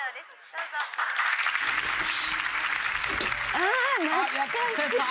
ああ！